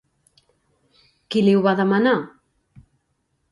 Qui li ho va demanar?